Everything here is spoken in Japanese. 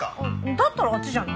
だったらあっちじゃない？